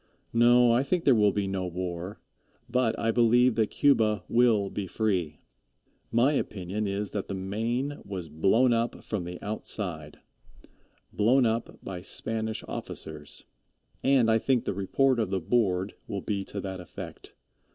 No, I think there will be no war, but I believe that Cuba will be free. My opinion is that the Maine was blown up from the outside blown up by Spanish officers, and I think the report of the Board will be to that effect.